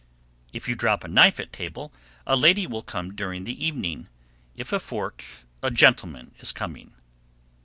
_ 762. If you drop a knife at table, a lady will come during the evening; if a fork, a gentleman is coming.